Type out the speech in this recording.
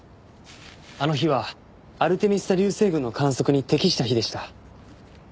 あの日はアルテミス座流星群の観測に適した日でした。